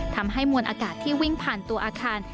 ทำให้มวลอากาศที่วิ่งผ่านตัวอาคาร